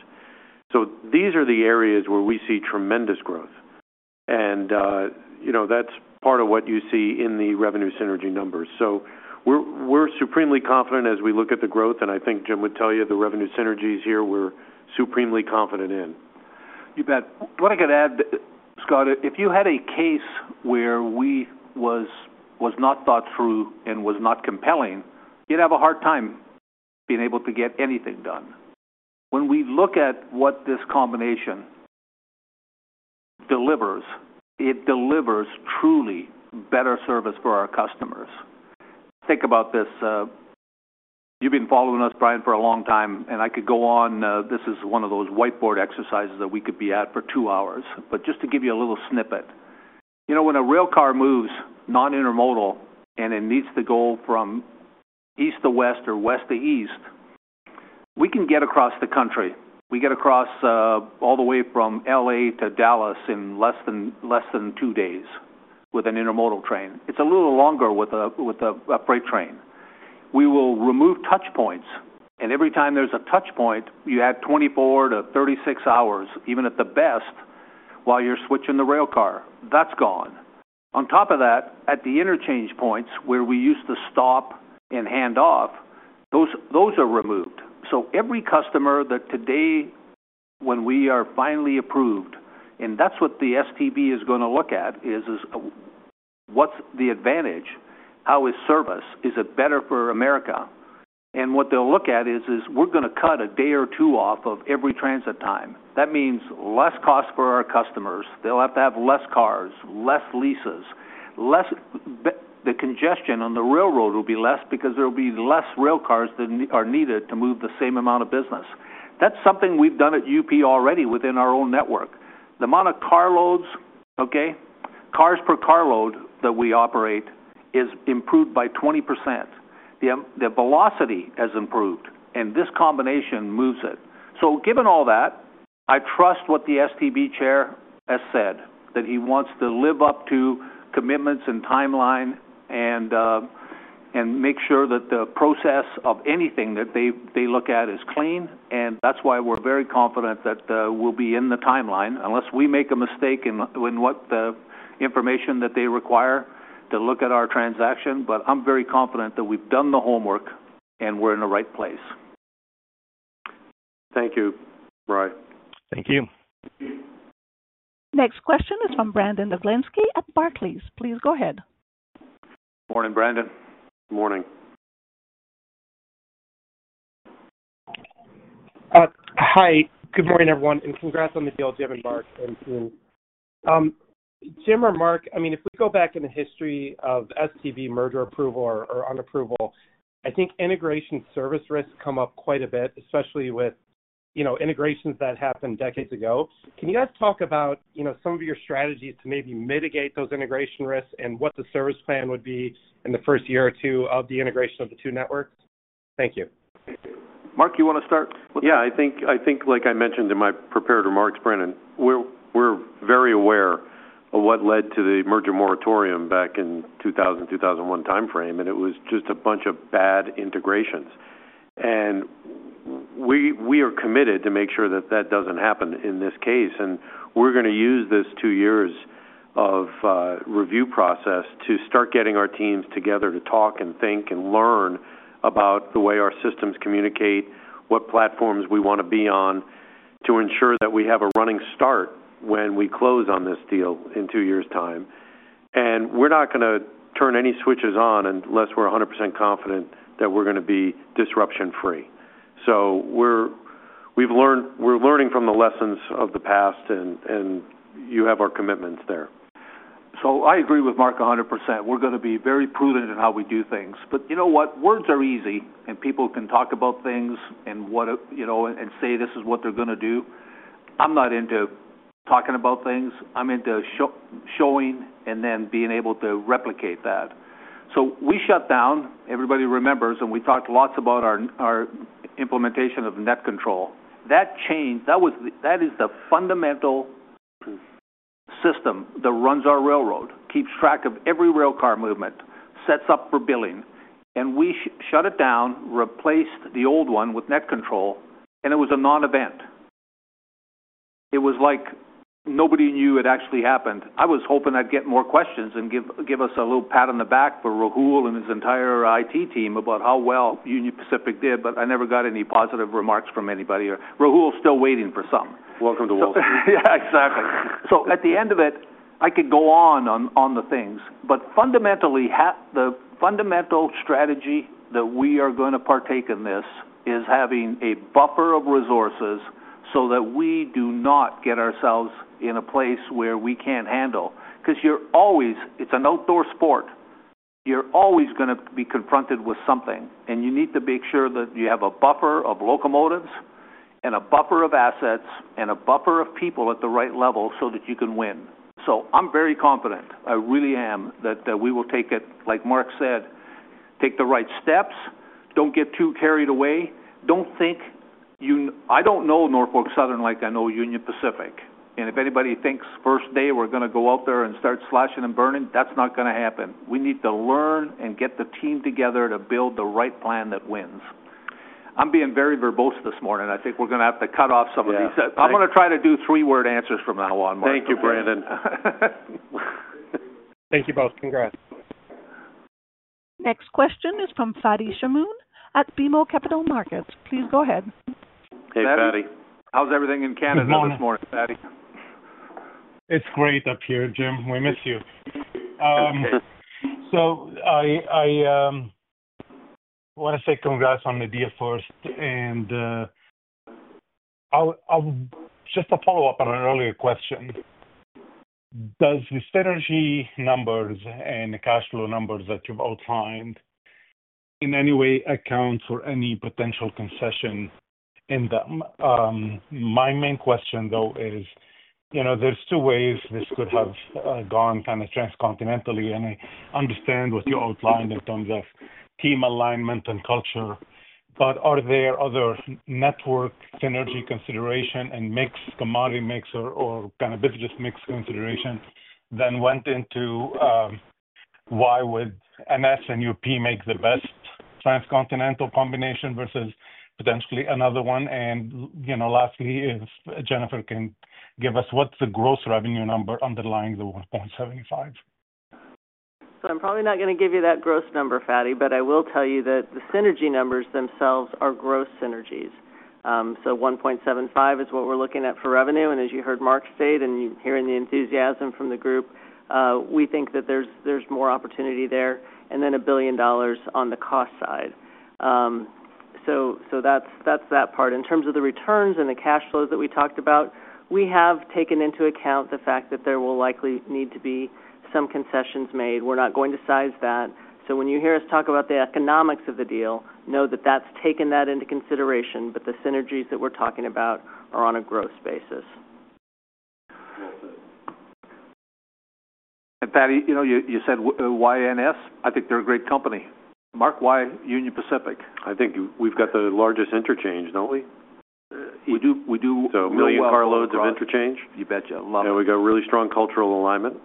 These are the areas where we see tremendous growth. That's part of what you see in the revenue synergy numbers. We're supremely confident as we look at the growth. I think Jim would tell you the revenue synergies here we're supremely confident in. You bet. What I can add, Scott, if you had a case where we was not thought through and was not compelling, you'd have a hard time being able to get anything done. When we look at what this combination delivers, it delivers truly better service for our customers. Think about this. You've been following us, Brian, for a long time, and I could go on. This is one of those whiteboard exercises that we could be at for two hours. Just to give you a little snippet, when a railcar moves non-intermodal and it needs to go from east to west or west to east, we can get across the country. We get across all the way from LA to Dallas in less than two days with an intermodal train. It's a little longer with a freight train. We will remove touch points. Every time there's a touch point, you add 24-36 hours, even at the best, while you're switching the railcar. That's gone. On top of that, at the interchange points where we used to stop and hand off, those are removed. Every customer that today, when we are finally approved, and that's what the STB is going to look at, is what's the advantage? How is service? Is it better for America? What they'll look at is we're going to cut a day or two off of every transit time. That means less cost for our customers. They'll have to have fewer cars, fewer leases. The congestion on the railroad will be less because there will be fewer railcars that are needed to move the same amount of business. That's something we've done at UP already within our own network. The amount of cars per car load that we operate is improved by 20%. The velocity has improved. This combination moves it. Given all that, I trust what the STB chair has said, that he wants to live up to commitments and timeline and make sure that the process of anything that they look at is clean. That's why we're very confident that we'll be in the timeline unless we make a mistake in what the information that they require to look at our transaction. I'm very confident that we've done the homework and we're in the right place. Thank you, Brian. Thank you. Next question is from Brandon Oglenski at Barclays. Please go ahead. Morning, Brandon. Morning. Hi. Good morning, everyone. Congrats on the deal, Jim and Mark and team. Jim, or Mark, I mean, if we go back in the history of Surface Transportation Board merger approval or unapproval, I think integration service risks come up quite a bit, especially with integrations that happened decades ago. Can you guys talk about some of your strategies to maybe mitigate those integration risks and what the service plan would be in the first year or two of the integration of the two networks? Thank you. Mark, you want to start? Yeah, I think, like I mentioned in my prepared remarks, Brandon, we're very aware of what led to the merger moratorium back in 2000, 2001 timeframe. It was just a bunch of bad integrations. We are committed to make sure that that doesn't happen in this case. We're going to use this two years of review process to start getting our teams together to talk and think and learn about the way our systems communicate, what platforms we want to be on to ensure that we have a running start when we close on this deal in two years' time. We're not going to turn any switches on unless we're 100% confident that we're going to be disruption-free. We're learning from the lessons of the past, and you have our commitments there. I agree with Mark 100%. We're going to be very prudent in how we do things. You know what? Words are easy, and people can talk about things and say this is what they're going to do. I'm not into talking about things. I'm into showing and then being able to replicate that. We shut down. Everybody remembers, and we talked lots about our implementation of NetControl. That changed. That is the fundamental system that runs our railroad, keeps track of every railcar movement, sets up for billing. We shut it down, replaced the old one with NetControl, and it was a non-event. It was like nobody knew it actually happened. I was hoping I'd get more questions and give us a little pat on the back for Rahul and his entire IT team about how well Union Pacific did, but I never got any positive remarks from anybody. Rahul's still waiting for some. Welcome to world. Yeah, exactly. At the end of it, I could go on on the things, but fundamentally, the fundamental strategy that we are going to partake in this is having a buffer of resources so that we do not get ourselves in a place where we can't handle. Because it's an outdoor sport. You're always going to be confronted with something. You need to make sure that you have a buffer of locomotives and a buffer of assets and a buffer of people at the right level so that you can win. I'm very confident. I really am that we will take it, like Mark said, take the right steps. Don't get too carried away. I don't know Norfolk Southern like I know Union Pacific. If anybody thinks first day we're going to go out there and start slashing and burning, that's not going to happen. We need to learn and get the team together to build the right plan that wins. I'm being very verbose this morning. I think we're going to have to cut off some of these. I'm going to try to do three-word answers from now on, Mark. Thank you, Brandon. Thank you both. Congrats. Next question is from Fadi Chamoun at BMO Capital Markets. Please go ahead. Hey, Fadi. How's everything in Canada this morning, Fadi? It's great up here, Jim. We miss you. I want to say congrats on the deal first. Just a follow-up on an earlier question. Do the synergy numbers and the cash flow numbers that you've outlined in any way account for any potential concession in them? My main question, though, is, there are two ways this could have gone kind of transcontinentally. I understand what you outlined in terms of team alignment and culture. Are there other network synergy considerations and mixed commodity mix or kind of business mix considerations that went into why would NS and UP make the best transcontinental combination versus potentially another one? Lastly, if Jennifer can give us what's the gross revenue number underlying the $1.75? I'm probably not going to give you that gross number, Fadi, but I will tell you that the synergy numbers themselves are gross synergies. $1.75 billion is what we're looking at for revenue. As you heard Mark say, and you hear the enthusiasm from the group, we think that there's more opportunity there. Then $1 billion on the cost side. That's that part. In terms of the returns and the cash flows that we talked about, we have taken into account the fact that there will likely need to be some concessions made. We're not going to size that. When you hear us talk about the economics of the deal, know that that's taken that into consideration, but the synergies that we're talking about are on a gross basis. Fadi, you said YNS, I think they're a great company. Mark, why Union Pacific? I think we've got the largest interchange, don't we? We do. So million car loads of interchange. You bet you. There we go. Really strong cultural alignment.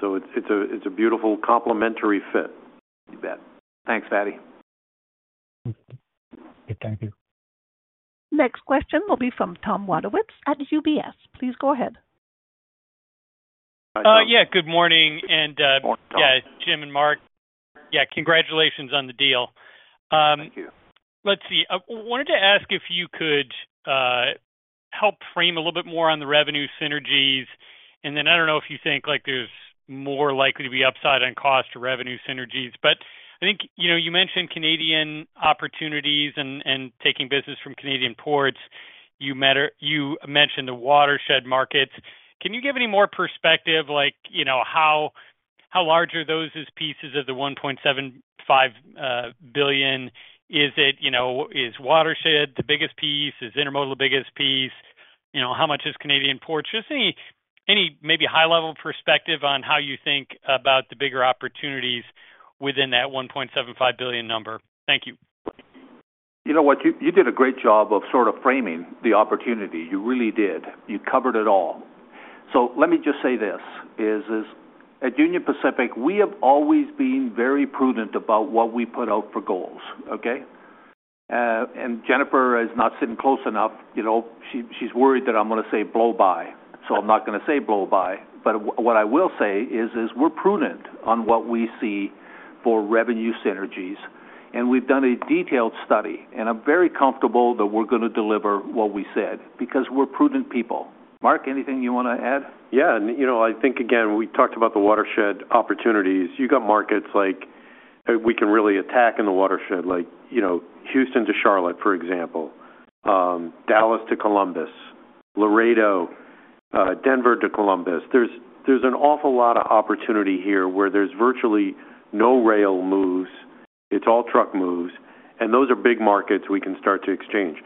It's a beautiful complementary fit. You bet. Thanks, Fadi. Thank you. Next question will be from Tom Wadewitz at UBS. Please go ahead. Yeah, good morning. Yeah, Jim and Mark, yeah, congratulations on the deal. Thank you. Let's see. I wanted to ask if you could help frame a little bit more on the revenue synergies. I don't know if you think there's more likely to be upside on cost or revenue synergies. I think you mentioned Canadian opportunities and taking business from Canadian ports. You mentioned the watershed markets. Can you give any more perspective, like, how large are those as pieces of the $1.75 billion? Is watershed the biggest piece? Is intermodal the biggest piece? How much is Canadian ports? Just any maybe high-level perspective on how you think about the bigger opportunities within that $1.75 billion number. Thank you. You know what? You did a great job of sort of framing the opportunity. You really did. You covered it all. Let me just say this. At Union Pacific, we have always been very prudent about what we put out for goals, okay? Jennifer is not sitting close enough. She's worried that I'm going to say blow by. I'm not going to say blow by. What I will say is we're prudent on what we see for revenue synergies. We've done a detailed study. I'm very comfortable that we're going to deliver what we said because we're prudent people. Mark, anything you want to add? Yeah. I think, again, we talked about the watershed opportunities. You've got markets like we can really attack in the watershed, like Houston to Charlotte, for example. Dallas to Columbus, Laredo. Denver to Columbus. There's an awful lot of opportunity here where there's virtually no rail moves. It's all truck moves. Those are big markets we can start to exchange.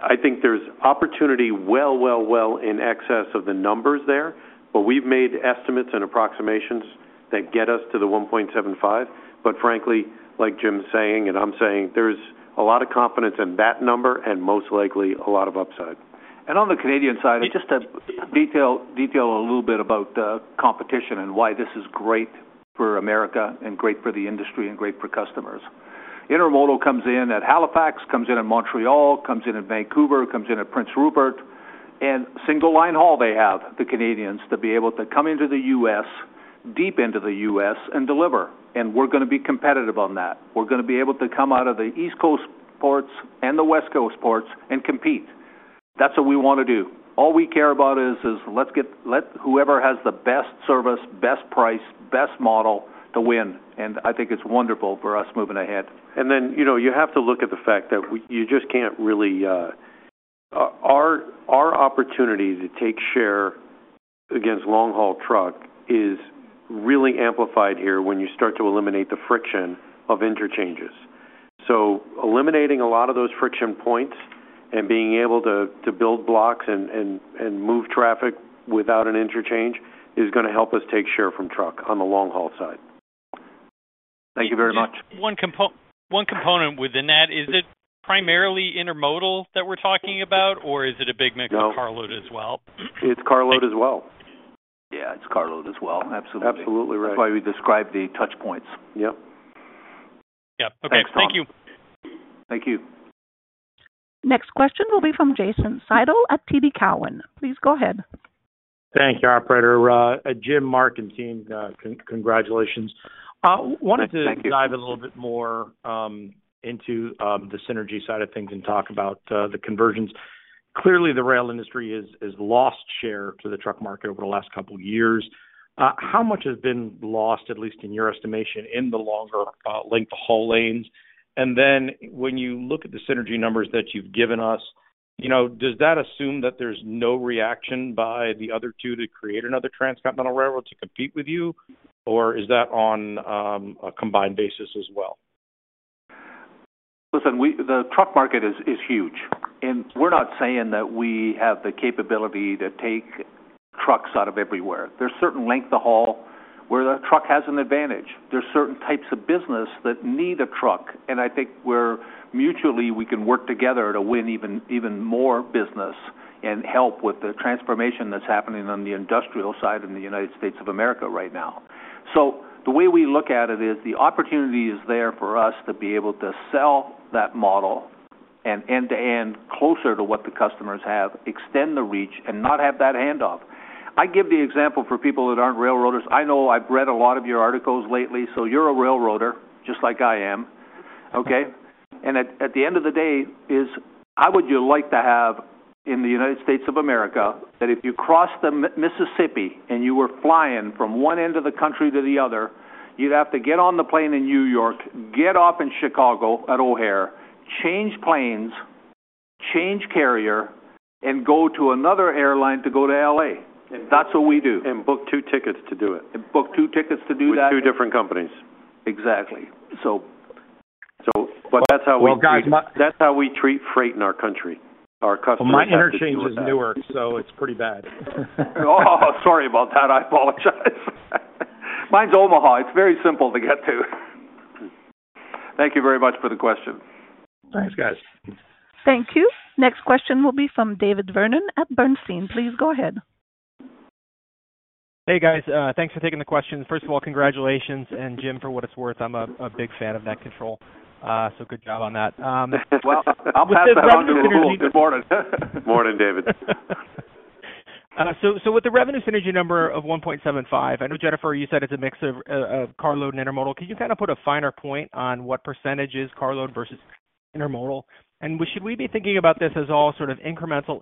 I think there's opportunity well, well, well in excess of the numbers there. We've made estimates and approximations that get us to the $1.75. Frankly, like Jim's saying and I'm saying, there's a lot of confidence in that number and most likely a lot of upside. On the Canadian side, just to detail a little bit about the competition and why this is great for America and great for the industry and great for customers. Intermodal comes in at Halifax, comes in at Montreal, comes in at Vancouver, comes in at Prince Rupert. Single line haul they have, the Canadians, to be able to come into the U.S., deep into the U.S., and deliver. We are going to be competitive on that. We are going to be able to come out of the East Coast ports and the West Coast ports and compete. That is what we want to do. All we care about is let's get whoever has the best service, best price, best model to win. I think it is wonderful for us moving ahead. You have to look at the fact that you just can't really. Our opportunity to take share against long-haul truck is really amplified here when you start to eliminate the friction of interchanges. Eliminating a lot of those friction points and being able to build blocks and move traffic without an interchange is going to help us take share from truck on the long-haul side. Thank you very much. One component within that, is it primarily intermodal that we're talking about, or is it a big mix of carload as well? It's carload as well. Yeah, it's carload as well. Absolutely. Absolutely right. That's why we describe the touch points. Yep. Yeah. Okay. Thank you. Thank you. Next question will be from Jason Seidl at TD Cowen. Please go ahead. Thank you, Operator. Jim, Mark, and team, congratulations. Wanted to dive a little bit more into the synergy side of things and talk about the conversions. Clearly, the rail industry has lost share to the truck market over the last couple of years. How much has been lost, at least in your estimation, in the longer length haul lanes? And then when you look at the synergy numbers that you've given us, does that assume that there's no reaction by the other two to create another transcontinental railroad to compete with you? Or is that on a combined basis as well? Listen, the truck market is huge. And we're not saying that we have the capability to take trucks out of everywhere. There is a certain length of haul where the truck has an advantage. There are certain types of business that need a truck. I think where mutually we can work together to win even more business and help with the transformation that is happening on the industrial side in the United States of America right now. The way we look at it is the opportunity is there for us to be able to sell that model and end-to-end closer to what the customers have, extend the reach, and not have that handoff. I give the example for people that are not railroaders. I know I have read a lot of your articles lately, so you are a railroader just like I am, okay? At the end of the day, how would you like to have in the United States of America that if you crossed the Mississippi and you were flying from one end of the country to the other, you would have to get on the plane in New York, get off in Chicago at O’Hare, change planes, change carrier, and go to another airline to go to LA? That is what we do. Book two tickets to do it. Book two tickets to do that. With two different companies. Exactly. So, but that's how we treat freight in our country. Our customers are. My interchange is Newark, so it's pretty bad. Oh, sorry about that. I apologize. Mine's Omaha. It's very simple to get to. Thank you very much for the question. Thanks, guys. Thank you. Next question will be from David Vernon at Bernstein. Please go ahead. Hey, guys. Thanks for taking the question. First of all, congratulations. Jim, for what it's worth, I'm a big fan of NetControl. Good job on that. I'm with the board. Morning, David. With the revenue synergy number of $1.75 billion, I know, Jennifer, you said it's a mix of carload and intermodal. Can you kind of put a finer point on what percentage is carload versus intermodal? Should we be thinking about this as all sort of incremental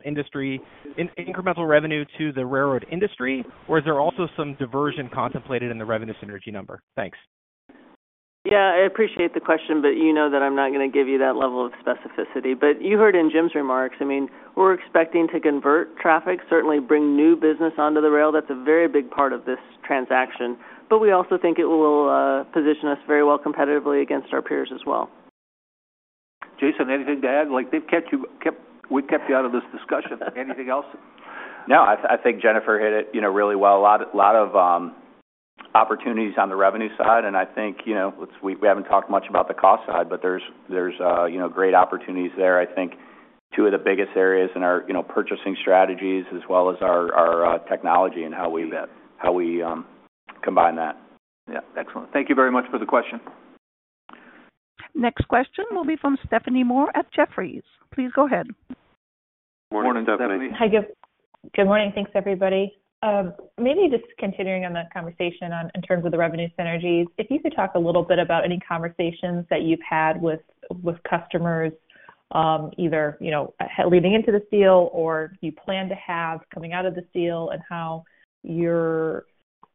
revenue to the railroad industry, or is there also some diversion contemplated in the revenue synergy number? Thanks. Yeah, I appreciate the question, but you know that I'm not going to give you that level of specificity. You heard in Jim's remarks, I mean, we're expecting to convert traffic, certainly bring new business onto the rail. That's a very big part of this transaction. We also think it will position us very well competitively against our peers as well. Jason, anything to add? We kept you out of this discussion. Anything else? No, I think Jennifer hit it really well. A lot of opportunities on the revenue side. I think we have not talked much about the cost side, but there are great opportunities there. I think two of the biggest areas are in our purchasing strategies, as well as our technology and how we combine that. Yeah. Excellent. Thank you very much for the question. Next question will be from Stephanie Moore at Jefferies. Please go ahead. Morning, Stephanie. Good morning. Thanks, everybody. Maybe just continuing on that conversation in terms of the revenue synergies, if you could talk a little bit about any conversations that you've had with customers, either leading into the deal or you plan to have coming out of the deal and how you're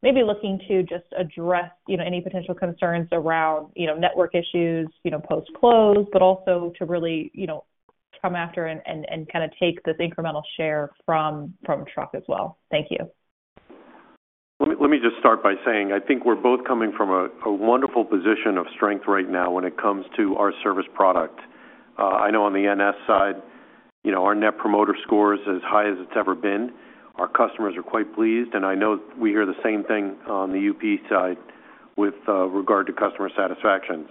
maybe looking to just address any potential concerns around network issues post-close, but also to really come after and kind of take this incremental share from truck as well. Thank you. Let me just start by saying I think we're both coming from a wonderful position of strength right now when it comes to our service product. I know on the NS side, our net promoter score is as high as it's ever been. Our customers are quite pleased. I know we hear the same thing on the UP side with regard to customer satisfaction.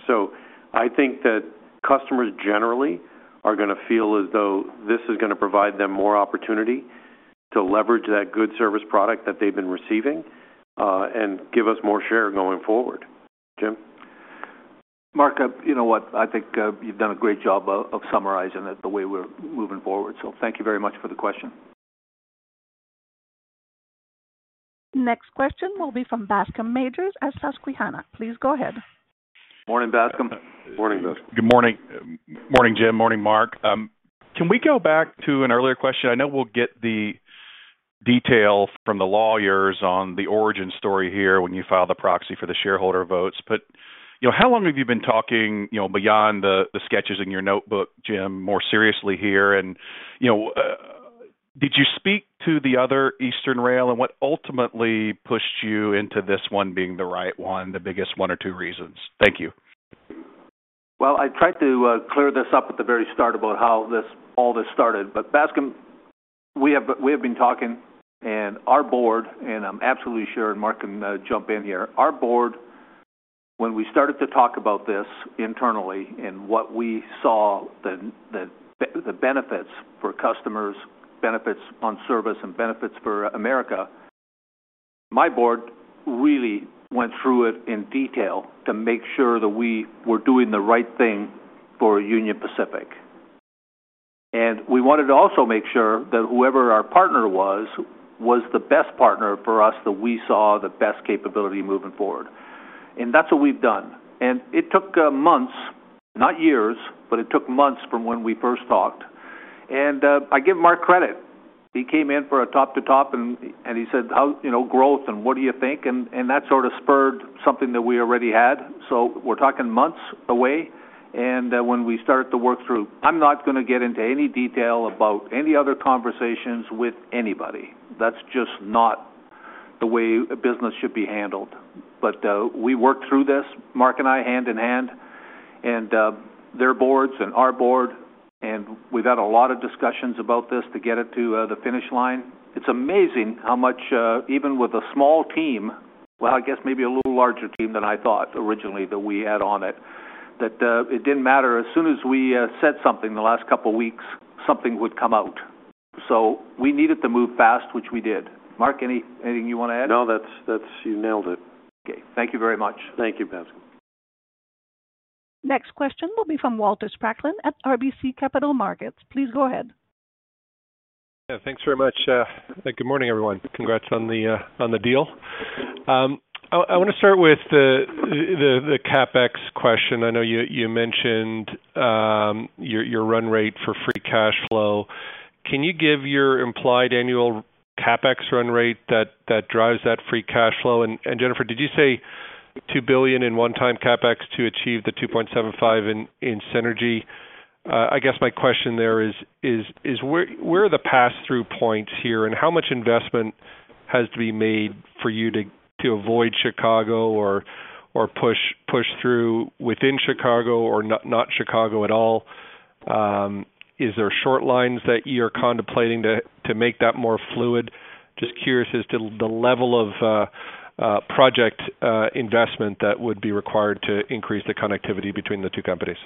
I think that customers generally are going to feel as though this is going to provide them more opportunity to leverage that good service product that they've been receiving and give us more share going forward. Jim? Mark, you know what? I think you've done a great job of summarizing it the way we're moving forward. Thank you very much for the question. Next question will be from Bascome Majors at Susquehanna. Please go ahead. Morning, Bascome. Good morning. Morning, Jim. Morning, Mark. Can we go back to an earlier question? I know we'll get the detail from the lawyers on the origin story here when you file the proxy for the shareholder votes. How long have you been talking beyond the sketches in your notebook, Jim, more seriously here? Did you speak to the other Eastern Rail and what ultimately pushed you into this one being the right one, the biggest one or two reasons? Thank you. I tried to clear this up at the very start about how all this started. Bascom, we have been talking and our board, and I'm absolutely sure Mark can jump in here. Our board, when we started to talk about this internally and what we saw, the benefits for customers, benefits on service, and benefits for America. My board really went through it in detail to make sure that we were doing the right thing for Union Pacific. We wanted to also make sure that whoever our partner was, was the best partner for us, that we saw the best capability moving forward. That is what we've done. It took months, not years, but it took months from when we first talked. I give Mark credit. He came in for a top-to-top, and he said, "Growth, and what do you think?" That sort of spurred something that we already had. We are talking months away. When we started to work through, I'm not going to get into any detail about any other conversations with anybody. That is just not the way business should be handled. We worked through this, Mark and I, hand in hand. Their boards and our board. We have had a lot of discussions about this to get it to the finish line. It's amazing how much, even with a small team, well, I guess maybe a little larger team than I thought originally that we had on it, that it did not matter as soon as we said something the last couple of weeks, something would come out. We needed to move fast, which we did. Mark, anything you want to add? No, that's you nailed it. Okay. Thank you very much. Thank you, Bascom. Next question will be from Walter Spracklin at RBC Capital Markets. Please go ahead. Yeah, thanks very much. Good morning, everyone. Congrats on the deal. I want to start with the CapEx question. I know you mentioned your run rate for free cash flow. Can you give your implied annual CapEx run rate that drives that free cash flow? And Jennifer, did you say $2 billion in one-time CapEx to achieve the $2.75 billion in synergy? I guess my question there is, where are the pass-through points here? And how much investment has to be made for you to avoid Chicago or push through within Chicago or not Chicago at all? Is there short lines that you're contemplating to make that more fluid? Just curious as to the level of project investment that would be required to increase the connectivity between the two companies.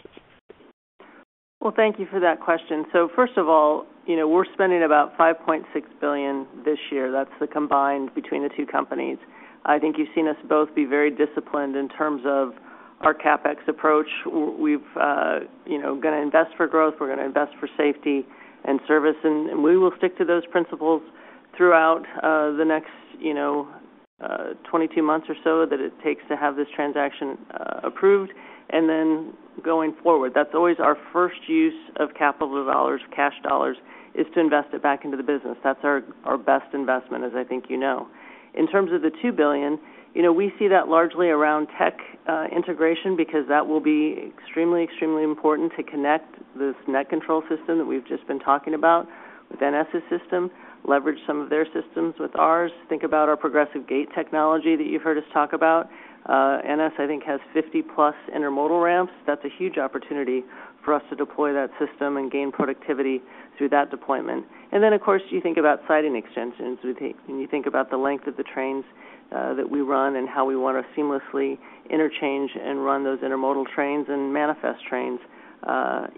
Thank you for that question. First of all, we're spending about $5.6 billion this year. That's the combined between the two companies. I think you've seen us both be very disciplined in terms of our CapEx approach. We're going to invest for growth. We're going to invest for safety and service. We will stick to those principles throughout the next 22 months or so that it takes to have this transaction approved. Going forward, that's always our first use of capital dollars, cash dollars, is to invest it back into the business. That's our best investment, as I think you know. In terms of the $2 billion, we see that largely around tech integration because that will be extremely, extremely important to connect this NetControl system that we've just been talking about with NS's system, leverage some of their systems with ours, think about our Progressive Gate technology that you've heard us talk about. NS, I think, has 50-plus intermodal ramps. That's a huge opportunity for us to deploy that system and gain productivity through that deployment. Of course, you think about siding extensions. When you think about the length of the trains that we run and how we want to seamlessly interchange and run those intermodal trains and manifest trains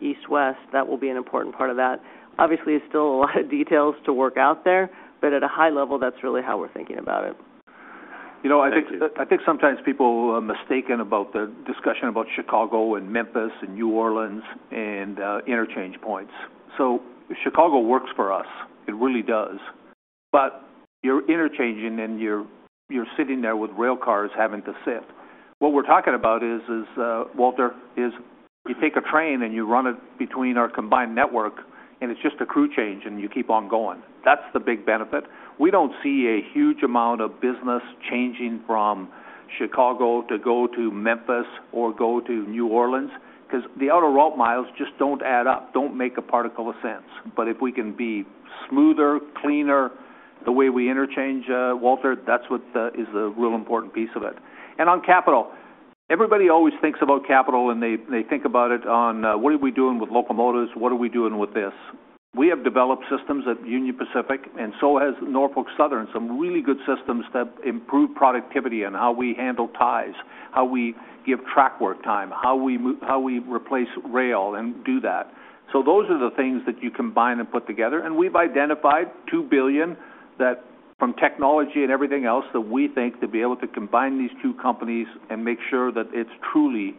east, west, that will be an important part of that. Obviously, it's still a lot of details to work out there, but at a high level, that's really how we're thinking about it. You know, I think sometimes people are mistaken about the discussion about Chicago and Memphis and New Orleans and interchange points. Chicago works for us. It really does. But you're interchanging and you're sitting there with rail cars having to sit. What we're talking about is, Walter, is you take a train and you run it between our combined network, and it's just a crew change, and you keep on going. That's the big benefit. We don't see a huge amount of business changing from Chicago to go to Memphis or go to New Orleans because the outer route miles just don't add up, don't make a particle of sense. If we can be smoother, cleaner, the way we interchange, Walter, that's what is the real important piece of it. On capital, everybody always thinks about capital, and they think about it on what are we doing with locomotives? What are we doing with this? We have developed systems at Union Pacific, and so has Norfolk Southern, some really good systems that improve productivity and how we handle ties, how we give trackwork time, how we replace rail and do that. Those are the things that you combine and put together. We've identified $2 billion from technology and everything else that we think to be able to combine these two companies and make sure that it truly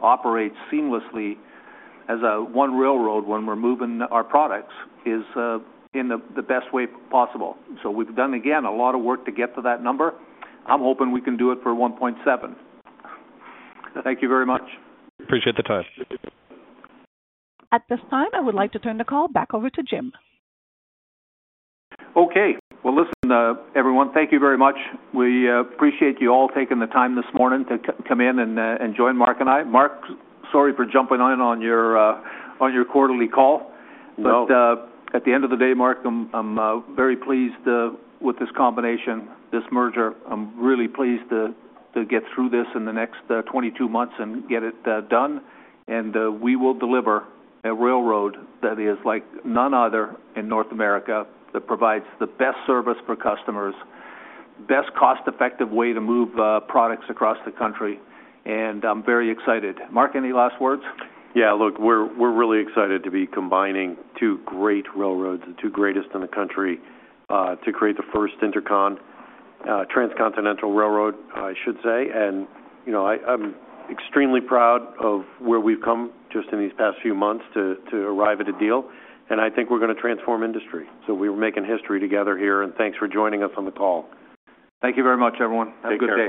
operates seamlessly as one railroad when we're moving our products is in the best way possible. We've done, again, a lot of work to get to that number. I'm hoping we can do it for $1.7 billion. Thank you very much. Appreciate the time. At this time, I would like to turn the call back over to Jim. Okay. Listen, everyone, thank you very much. We appreciate you all taking the time this morning to come in and join Mark and I. Mark, sorry for jumping in on your quarterly call. At the end of the day, Mark, I'm very pleased with this combination, this merger. I'm really pleased to get through this in the next 22 months and get it done. We will deliver a railroad that is like none other in North America that provides the best service for customers, best cost-effective way to move products across the country. I'm very excited. Mark, any last words? Yeah, look, we're really excited to be combining two great railroads, the two greatest in the country, to create the first intercontinental railroad, I should say. I'm extremely proud of where we've come just in these past few months to arrive at a deal. I think we're going to transform industry. We are making history together here. Thanks for joining us on the call. Thank you very much, everyone. Have a good day.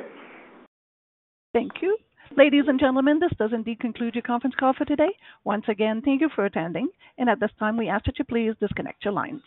Thank you. Ladies and gentlemen, this does indeed conclude your conference call for today. Once again, thank you for attending. At this time, we ask that you please disconnect your lines.